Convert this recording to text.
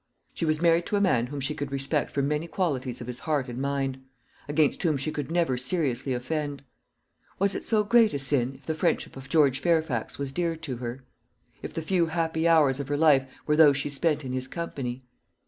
She was married to a man whom she could respect for many qualities of his heart and mind, against whom she could never seriously offend. Was it so great a sin if the friendship of George Fairfax was dear to her? if the few happy hours of her life were those she spent in his company?